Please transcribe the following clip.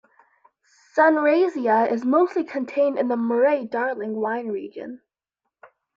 Sunraysia is mostly contained in the Murray Darling wine region.